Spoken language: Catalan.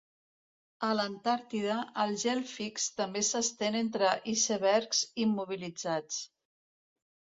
A l'Antàrtida, el gel fix també s'estén entre icebergs immobilitzats.